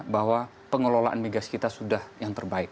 bahwa pengelolaan migas kita sudah yang terbaik